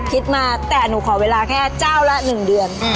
คิดมาแต่หนูขอเวลาแค่เจ้าละ๑เดือน